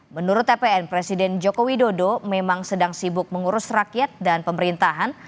menurut tpn presiden joko widodo memang sedang sibuk mengurus rakyat dan pemerintahan